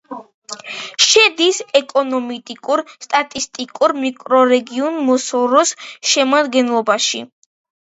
შედის ეკონომიკურ-სტატისტიკურ მიკრორეგიონ მოსოროს შემადგენლობაში.